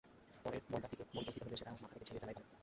পরের বলটার দিকে মনোযোগ দিতে হলে সেটা মাথা থেকে ঝেড়ে ফেলাই ভালো।